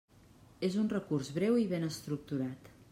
És un recurs breu i ben estructurat.